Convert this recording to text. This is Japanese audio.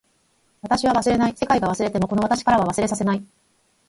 私は忘れない。世界が忘れてもこの私からは忘れさせない。